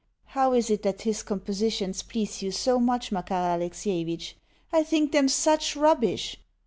How is it that his compositions please you so much, Makar Alexievitch? I think them SUCH rubbish!